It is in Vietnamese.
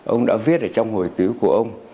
ông đã viết ở trong hồi tiếu của ông